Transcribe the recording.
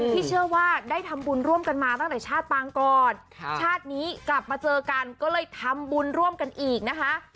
ที่เชื่อว่าได้ทำบุญร่วมกันมาตั้งแต่ชาติปางก่อนชาตินี้กลับมาเจอกันก็เลยทำบุญร่วมกันอีกนะคะ